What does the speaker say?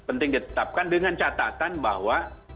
penting ditetapkan dengan catatan bahwa